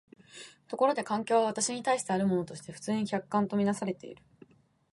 ところで環境は私に対してあるものとして普通に客観と看做されている。